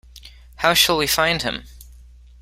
How shall we find him?